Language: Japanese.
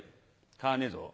「買わねえぞ」。